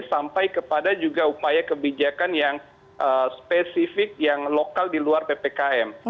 sampai kepada juga upaya kebijakan yang spesifik yang lokal di luar ppkm